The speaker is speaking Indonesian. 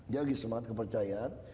dia lagi semangat kepercayaan